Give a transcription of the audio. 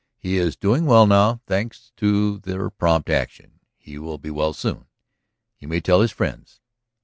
He is doing well now, thanks to their prompt action; he will be well soon. You may tell his friends."